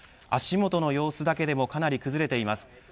足元の様子だけでもかなり崩れています。